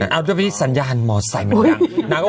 เอาไปสัญญาณมอเตอร์ไซค์